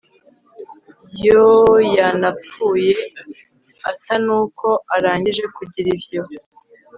Yoooooooyanapfuye atanuko arangije kugira ivyo